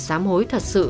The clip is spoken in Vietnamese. xám hối thật sự